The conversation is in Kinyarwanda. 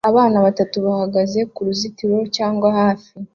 Abana batatu bahagaze kuruzitiro cyangwa hafi